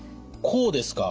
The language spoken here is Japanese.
こうですか？